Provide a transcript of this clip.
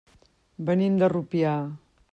Venim de Rupià.